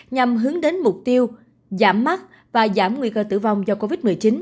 nhằm hướng đến mục tiêu giảm mắt và giảm nguy cơ tử vong do covid một mươi chín